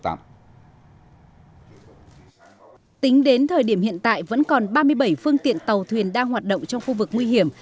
tính đến thời điểm hiện tại vẫn còn ba mươi bảy phương tiện tàu thuyền đang hoạt động trong khu vực nguy hiểm